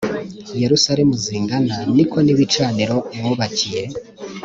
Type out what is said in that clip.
Yerusalemu zingana ni ko n ibicaniro mwubakiye